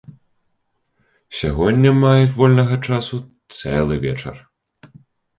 Сягоння маю вольнага часу цэлы вечар.